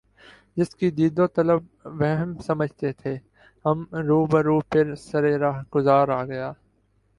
جس کی دید و طلب وہم سمجھے تھے ہم رو بہ رو پھر سر رہ گزار آ گیا